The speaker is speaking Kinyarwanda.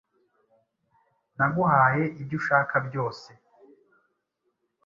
Naguhaye ibyo ushaka byose.